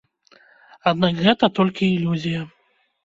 Аднак гэта толькі ілюзія.